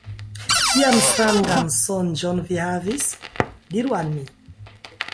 Kian strangan sonĝon vi havis? Diru al mi!